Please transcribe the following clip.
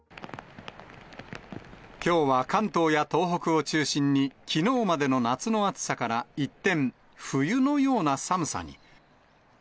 きょうは関東や東北を中心に、きのうまでの夏の暑さから一転、冬のような寒さに。